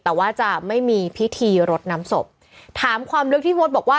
แต่ว่าจะไม่มีพิธีรดน้ำศพถามความลึกที่มดบอกว่า